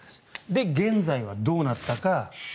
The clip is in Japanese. で、現在はどうなったか。